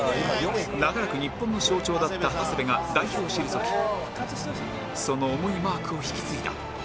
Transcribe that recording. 長らく日本の象徴だった長谷部が代表を退きその重いマークを引き継いだ